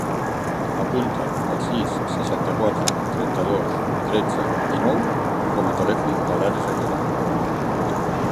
Apunta el sis, seixanta-quatre, trenta-dos, tretze, dinou com a telèfon de l'Ares Aguera.